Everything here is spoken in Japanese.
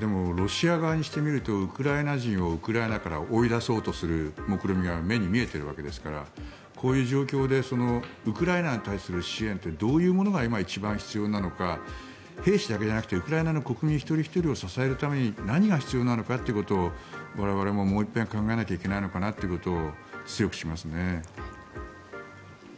でも、ロシア側にしてみるとウクライナ人をウクライナから追い出そうとするもくろみが目に見えているわけですからこういう状況でウクライナに対する支援ってどういうものが今、一番必要なのか兵士だけじゃなくてウクライナの国民一人ひとりを支えるために何が必要なのかということを我々ももう一遍考えなきゃいけないのかなということを強くしますね。